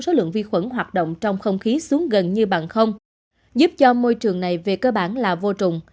số lượng vi khuẩn hoạt động trong không khí xuống gần như bằng không giúp cho môi trường này về cơ bản là vô trùng